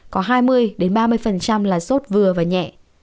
có hai mươi ba mươi là sốt vừa và nhẹ